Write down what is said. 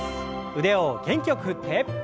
腕を元気よく振って。